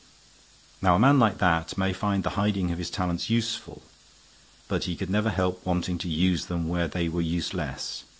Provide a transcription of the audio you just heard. Now a man like that may find the hiding of his talents useful; but he could never help wanting to use them where they were useless.